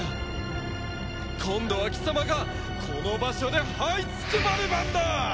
今度は貴様がこの場所ではいつくばる番だ！